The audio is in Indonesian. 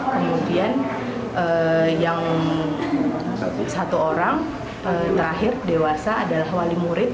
kemudian yang satu orang terakhir dewasa adalah wali murid